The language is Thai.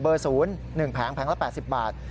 เบอร์ศูนย์หนึ่งแผงแผงละ๘๐บาท